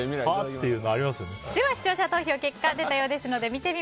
では視聴者投票結果が出たようです。